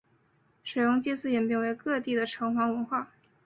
水庸祭祀演变为各地的城隍文化。